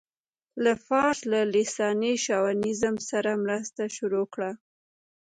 له فارس له لېساني شاونيزم سره مرسته شروع کړه.